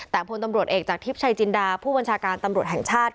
แต่พลตำรวจเอกจากทิพย์ชัยจินดาผู้บัญชาการตำรวจแห่งชาติ